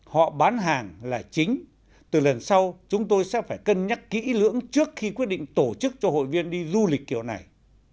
họ bán hàng là chính từ lần sau chúng tôi sẽ phải cân nhắc kỹ lưỡng trước khi quyết định tổ chức cho hội viên đi du lịch kiểu này